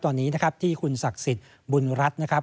ตอนนี้นะครับที่คุณศักดิ์สิทธิ์บุญรัฐนะครับ